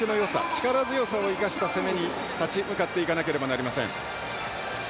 力強さを生かした攻めに立ち向かっていかなければなりません。